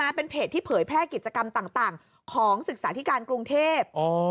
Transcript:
เป็นเพจที่เผยแพร่กิจกรรมต่างของศึกษาธิการกรุงเทพ